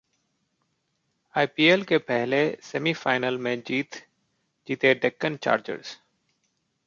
IPL के पहले semifinal में जीते डेक्कन चार्जर्स